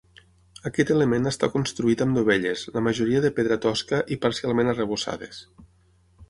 Aquest element està construït amb dovelles, la majoria de pedra tosca i parcialment arrebossades.